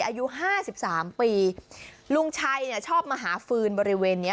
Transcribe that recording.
อายุห้าสิบสามปีลุงชัยเนี่ยชอบมาหาฟืนบริเวณเนี้ย